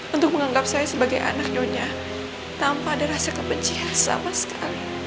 untuk menganggap saya sebagai anak nyonya tanpa ada rasa kebencian sama sekali